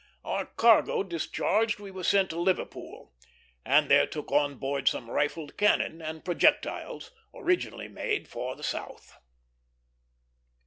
Our cargo discharged, we were sent to Liverpool, and there took on board some rifled cannon and projectiles originally made for the South.